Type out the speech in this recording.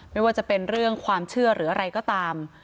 ไม่ว่าจะเป็นเรื่องความเชื่อหรืออะไรก็ตาม